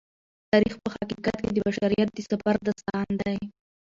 تاریخ په حقیقت کې د بشریت د سفر داستان دی.